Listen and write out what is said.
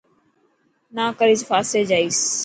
نا ڪريس ڦاسي جائيس.